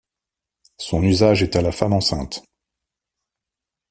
Son usage est à la femme enceinte.